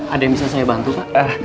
ada yang bisa saya bantu pak